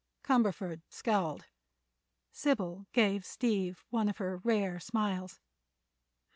Cumberford scowled; Sybil gave Steve one of her rare smiles.